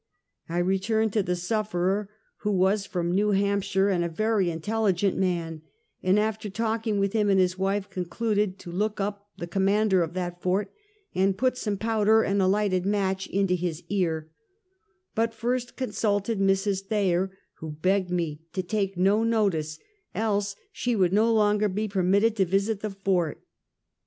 I returned to the sufferer, who was from '^ew Hamp shire, and a very intelligent man; and after talking with him and his wife, concluded to look up the com mander of that fort, and put some powder and alight ed match into his ear; but first consulted Mrs. Thayer, who begged me to take no notice, else she would no longer be permitted to visit the fort.